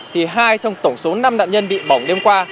thì hai trong tổng số năm nạn nhân bị bỏng đêm qua